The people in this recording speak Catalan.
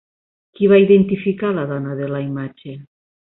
Qui va identificar la dona de la imatge?